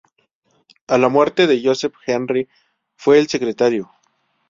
A la muerte de Joseph Henry fue el secretario.